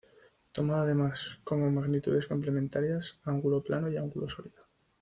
Toma además como magnitudes complementarias: ángulo plano y ángulo sólido.